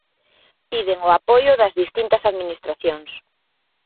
Piden o apoio das distintas administracións.